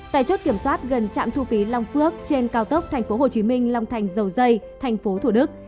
tại chốt kiểm soát gần trạm thu phí long phước trên cao tốc tp hcm long thành dầu dây thành phố thủ đức